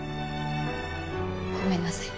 ごめんなさい。